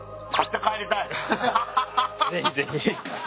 ぜひぜひ。